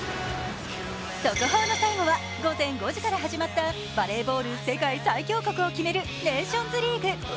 速報の最後は午前５時から始まったバレーボール世界最強国を決めるネーションズリーグ。